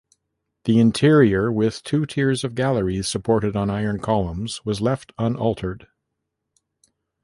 The interior, with two tiers of galleries supported on iron columns, was left unaltered.